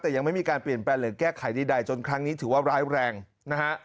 แต่ยังไม่มีการเปลี่ยนแปลงหรือแก้ไขใดจนครั้งนี้ถือว่าร้ายแรงนะฮะ